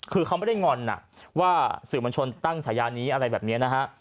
คือเขาไม่ได้งอนว่าสื่อมวลชนตั้งฉายานี้อะไรแบบนี้นะฮะ